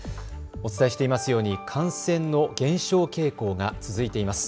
お伝えしていますように感染の減少傾向が続いています。